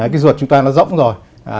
cái ruột chúng ta nó rỗng rồi